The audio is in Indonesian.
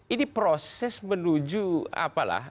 ini proses menuju apalah